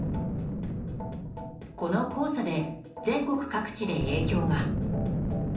この黄砂で、全国各地で影響が。